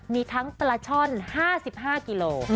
มีทั้งปลาช่อน๕๕กิโล